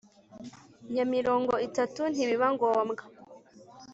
Ya mirongo itatu ntibiba ngombwa